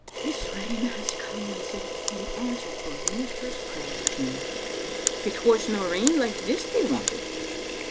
" This rain has come as if in answer to the minister's prayer, Jean." It wasna rain like this they wanted.